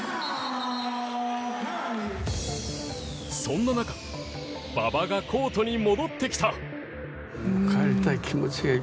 そんな中馬場がコートに戻ってきた。